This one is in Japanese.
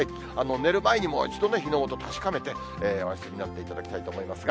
寝る前にもう一度、火の元確かめて、お休みになっていただきたいと思いますが。